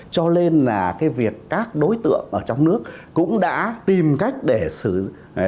cho nên là cái việc các đối tượng ở trong nước cũng đã tìm cách để sử dụng